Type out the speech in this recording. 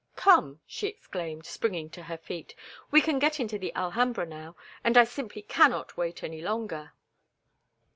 "Come!" she exclaimed, springing to her feet. "We can get into the Alhambra now, and I simply cannot wait any longer."